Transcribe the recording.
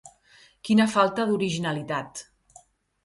Quina falta d'originalitat.